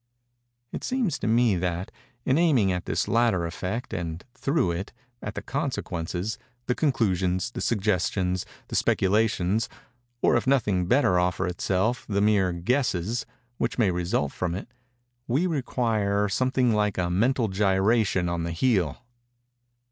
It seems to me that, in aiming at this latter effect, and, through it, at the consequences—the conclusions—the suggestions—the speculations—or, if nothing better offer itself the mere guesses which may result from it—we require something like a mental gyration on the heel.